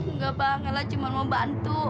enggak pak ella cuma mau bantu